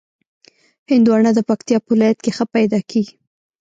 هندوانه د پکتیا په ولایت کې ښه پیدا کېږي.